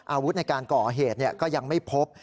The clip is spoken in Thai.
อาวุธในการก่อเหตุก็ยังไม่พบ